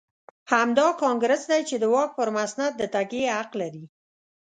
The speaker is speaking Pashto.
همدا کانګرېس دی چې د واک پر مسند د تکیې حق لري.